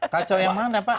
kacau yang mana pak